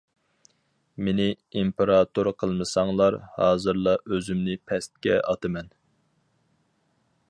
مېنى ئىمپېراتور قىلمىساڭلار ھازىرلا ئۆزۈمنى پەسكە ئاتىمەن!